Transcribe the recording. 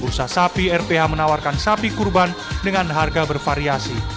bursa sapi rph menawarkan sapi kurban dengan harga bervariasi